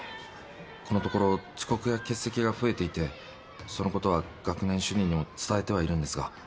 このところ遅刻や欠席が増えていてその事は学年主任にも伝えてはいるんですが。